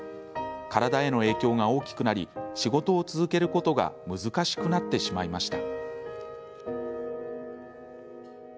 体への影響が大きくなり仕事を続けることが難しくなってしまいました。